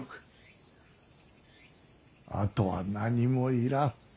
あとは何もいらん。